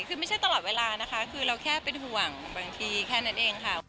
คือไม่ใช่ตลอดเวลานะคะคือเราแค่เป็นห่วงบางทีแค่นั้นเองค่ะ